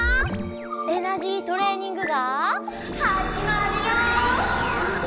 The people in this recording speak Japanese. エナジートレーニングがはじまるよ！